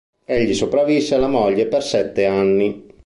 Egli sopravvisse alla moglie per sette anni.